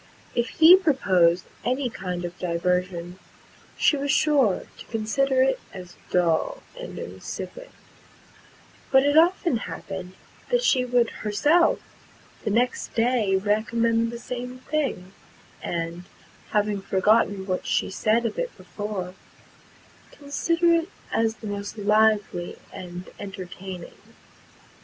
If he proposed any kind of diversion, she was [Pg 194]sure to consider it as dull and insipid; but it often happened, that she would herself the next day recommend the same thing, and, having forgotten what she had said of it before, consider it as the most lively and entertaining.